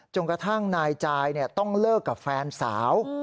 จนกระทั่งนายจ่ายเนี่ยต้องเลิกกับแฟนสาว